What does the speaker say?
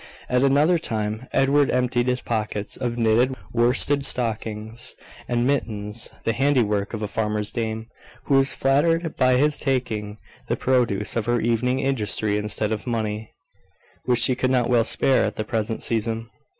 At another time Edward emptied his pockets of knitted worsted stockings and mittens, the handiwork of a farmer's dame, who was flattered by his taking the produce of her evening industry instead of money, which she could not well spare at the present season.